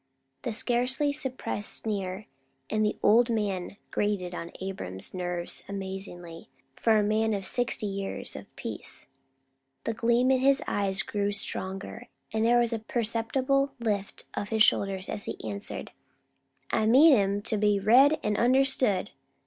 The scarcely suppressed sneer, and the "old man" grated on Abram's nerves amazingly, for a man of sixty years of peace. The gleam in his eyes grew stronger, and there was a perceptible lift of his shoulders as he answered: "I meant 'em to be read an' understood!